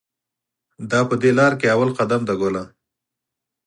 دا په دې لار کې اول قدم دی ګله.